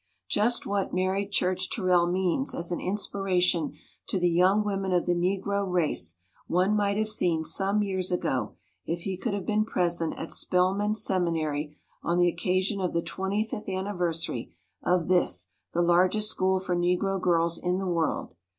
Just what Mary Church Terrell means as an inspiration to the young women of the Negro race one might have seen some years ago if he could have been present at Spelman Seminary on the occasion of the twenty fifth anniversary of this the largest school for Negro girls in the world.